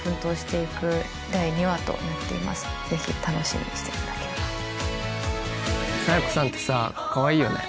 ぜひ楽しみにしていただければ佐弥子さんってさかわいいよね